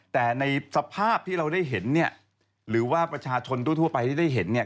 แต่ในสภาพที่เราได้เห็นเนี่ยหรือว่าประชาชนทั่วไปที่ได้เห็นเนี่ย